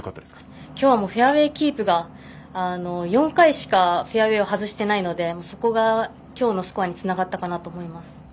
フェアウエーキープが４回しかフェアウエーを外していないのでそこが今日のスコアにつながったかなと思います。